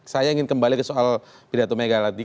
saya ingin kembali ke soal pidato mega wati